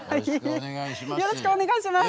よろしくお願いします。